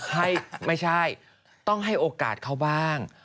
ไม่ใช่ต้องให้โอกาสเขาบ้าง